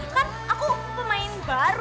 kan aku pemain baru